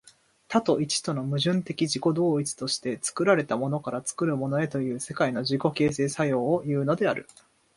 多と一との矛盾的自己同一として、作られたものから作るものへという世界の自己形成作用をいうのである。